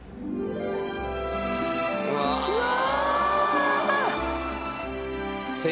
うわ！